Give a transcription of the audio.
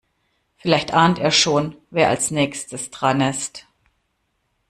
Vielleicht ahnt er schon, wer als nächstes dran ist.